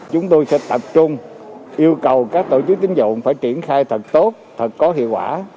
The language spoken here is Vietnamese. chúng tôi sẽ tập trung yêu cầu các tổ chức tính dụng phải triển khai thật tốt thật có hiệu quả